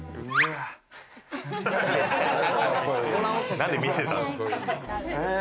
何で見せたの？